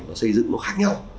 nó xây dựng nó khác nhau